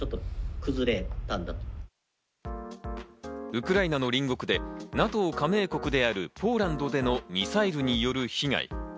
ウクライナの隣国でＮＡＴＯ加盟国であるポーランドでのミサイルによる被害。